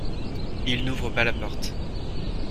Il n’ouvre pas la porte.